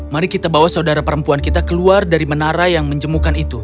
mari kita bawa saudara perempuan kita keluar dari menara yang menjemukan itu